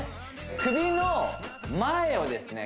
首の前をですね